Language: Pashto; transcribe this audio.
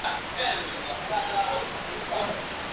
هغه به عادي نظم وي !.